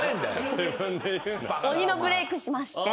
鬼のブレイクしまして。